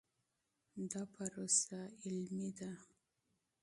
دا پروسه علمي ده.